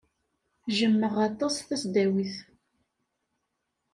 Jjmeɣ aṭas tasdawit.